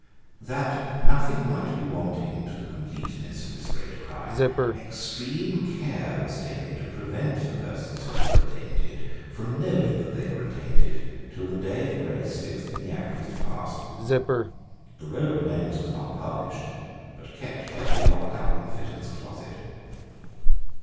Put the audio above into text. That nothing might be wanting to the completeness of this great crime, extreme care was taken to prevent the persons who were attainted from knowing that they were attainted, till the day of grace fixed in the Act was passed. The roll of names was not published, but kept carefully locked up in Fitton's closet.